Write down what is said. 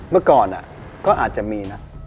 เมื่อก่อนก็อาจจะมีนะ